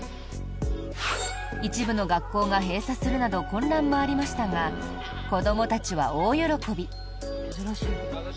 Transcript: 一部の学校が閉鎖するなど混乱もありましたが子どもたちは大喜び。